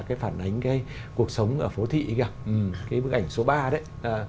cái phản ánh cuộc sống ở phố thị kia cái bức ảnh số ba đấy